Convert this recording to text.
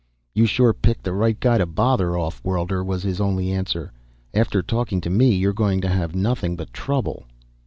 "You sure picked the right guy to bother, off worlder," was his only answer. "After talking to me you're going to have nothing but trouble."